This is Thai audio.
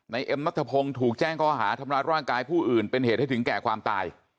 เอ็มนัทพงศ์ถูกแจ้งข้อหาทำร้ายร่างกายผู้อื่นเป็นเหตุให้ถึงแก่ความตาย